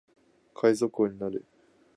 海賊王になる